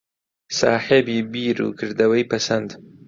ساحێبی بیر و کردەوەی پەسەند